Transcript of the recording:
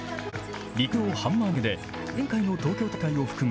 陸上ハンマー投げで前回の東京大会を含む